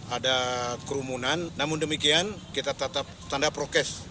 ada kerumunan namun demikian kita tetap tanda prokes